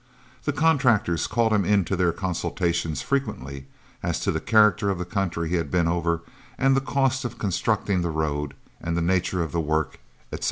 The contractors called him into their consultations frequently, as to the character of the country he had been over, and the cost of constructing the road, the nature of the work, etc.